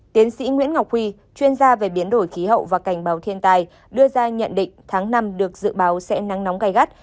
tiến sĩ nguyễn ngọc huy chuyên gia về biến đổi khí hậu và cảnh báo thiên tài đưa ra nhận định tháng năm được dự báo sẽ nắng nóng gai gắt